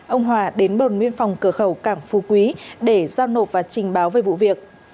ông hòa đến đồn biên phòng cửa khẩu cảng phú quý để giao nộp và trình báo về vụ việc